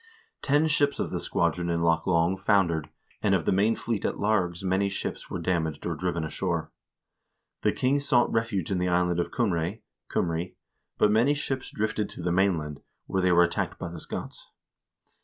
Ten ships of the squadron in Loch Long foundered, and of the main fleet at Largs many ships were damaged or driven ashore. The king sought refuge in the island of Cumrse (Kumrey), but many ships drifted to the mainland, where they were attacked by the Scots.